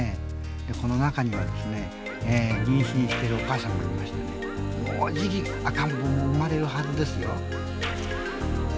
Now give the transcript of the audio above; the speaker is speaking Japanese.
この中には妊娠しているお母さんもいましてもうじき赤ん坊も生まれるはずですよ。